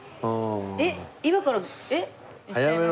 えっ今からえっ？